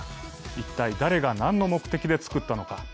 一体誰が何の目的で作ったのか。